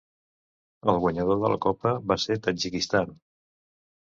El guanyador de la copa va ser Tadjikistan.